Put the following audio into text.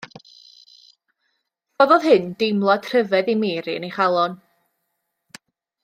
Rhoddodd hyn deimlad rhyfedd i Mary yn ei chalon.